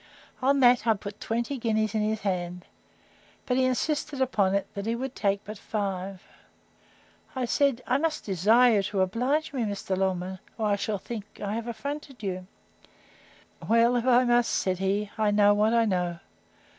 On that I put twenty guineas in his hand; but he insisted upon it, that he would take but five. I said, I must desire you to oblige me, Mr. Longman, or I shall think I have affronted you. Well, if I must, said he, I know what I know.